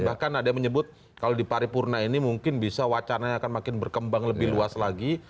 bahkan ada yang menyebut kalau di paripurna ini mungkin bisa wacananya akan makin berkembang lebih luas lagi